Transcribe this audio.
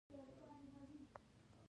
د پېښور نه مردان ته څومره لار ده؟